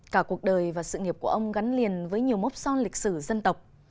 cả cuộc đời và sự nghiệp của ông gắn liền với nhiều mốc son lịch sử dân tộc